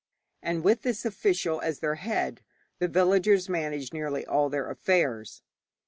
And with this official as their head, the villagers managed nearly all their affairs.